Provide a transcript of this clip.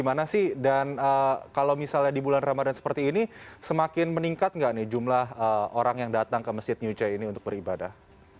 jadi kalau misalnya di bulan ramadhan seperti ini semakin meningkat nggak nih jumlah orang yang datang ke masjid new j ini untuk beribadah